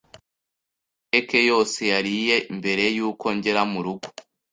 Cake yose yariye mbere yuko ngera murugo.